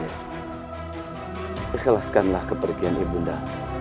ikhlaskanlah kepergian ibunda